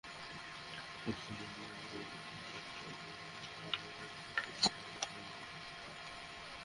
Oculus Rift, Google Daydream, HTC Vive headset সমর্থন করার কথা জানিয়েছে ভিডিওল্যান।